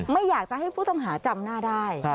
ไม่อยากจะให้ผู้ต้องหาจำหน้าได้